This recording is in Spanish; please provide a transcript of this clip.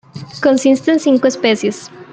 Consiste en cinco especies.